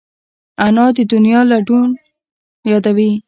انا د دنیا لنډون یادوي